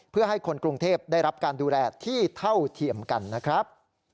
เพื่อให้คนกรุงเทพได้รับการดูแลที่เท่าเทียมกันนะครับ